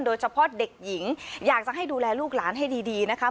โดยเฉพาะเด็กหญิงอยากจะให้ดูแลลูกหลานให้ดีนะคะ